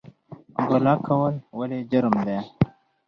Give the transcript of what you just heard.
غلا کول ولې جرم دی؟